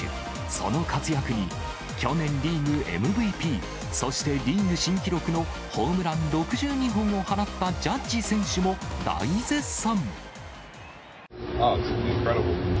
その活躍に、去年リーグＭＶＰ、そしてリーグ新記録のホームラン６２本を放ったジャッジ選手も大絶賛。